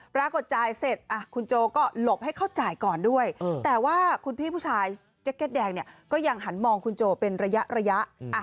ปรากฏจ่ายเสร็จคุณโจก็หลบให้เขาจ่ายก่อนด้วยแต่ว่าคุณพี่ผู้ชายแจ็กเก็ตแดงเนี่ยก็ยังหันมองคุณโจเป็นระยะ